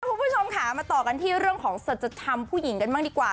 คุณผู้ชมค่ะมาต่อกันที่เรื่องของสัจธรรมผู้หญิงกันบ้างดีกว่า